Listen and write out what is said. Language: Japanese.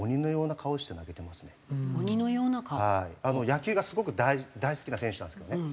野球がすごく大好きな選手なんですけどね。